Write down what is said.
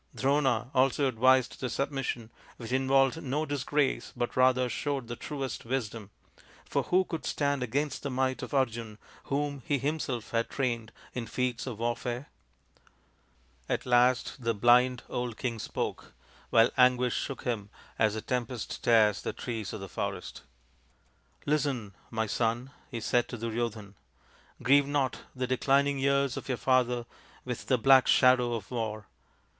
Drona also advised the submission, which involved no disgrace but rather showed the truest wisdom for who could stand against the might of Arjun, whom he himself had trained in feats of warfare ? At last the blind old king spoke, while anguish shook him as the tempest tears the trees of the forest. " Listen, my son," he said to Duryodhan. " Grieve not the declining years of your father with the black shadow of war.